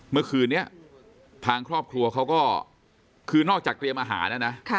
เมื่อคืนนี้ทางครอบครัวเขาก็คือนอกจากเตรียมอาหารแล้วนะ